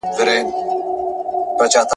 د علم روڼا تر لمر روښانه ده.